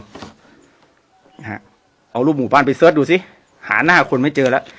ฮะเอารูปหมู่บ้านไปเสิร์ชดูสิหาหน้าคนไม่เจอแล้ว